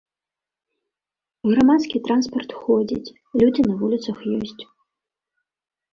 Грамадскі транспарт ходзіць, людзі на вуліцах ёсць.